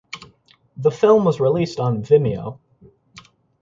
The film was released on Vimeo.